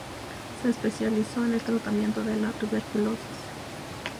Se especializó en el tratamiento de la tuberculosis.